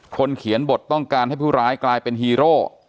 เขียนบทต้องการให้ผู้ร้ายกลายเป็นฮีโร่